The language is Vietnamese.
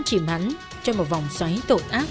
chìm hắn trong một vòng xoáy tội ác